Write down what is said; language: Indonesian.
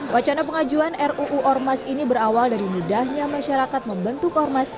wacana pengajuan ruu ormas ini berawal dari mudahnya masyarakat membentuk ormas